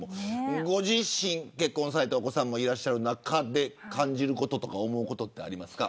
ご自身、結婚されてお子さんもいる中で感じることや思うこと、ありますか。